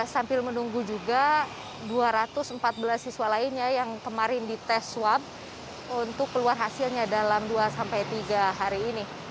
sambil menunggu juga dua ratus empat belas siswa lainnya yang kemarin dites swab untuk keluar hasilnya dalam dua tiga hari ini